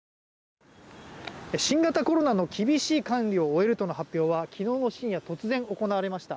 新型コロナの厳しい管理を終えるとの発表は昨日の深夜、突然行われました。